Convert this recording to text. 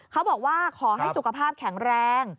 เขาบอกว่าขอให้สุขภาพแข็งแรง